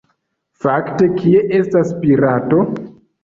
Fakte, kie estas la pirato?